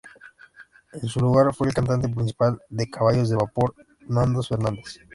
En su lugar fue el cantante principal de caballos de vapor, Nando Fernandes.